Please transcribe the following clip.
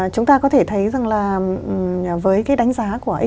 chúng ta có thể thấy rằng là với cái đánh giá của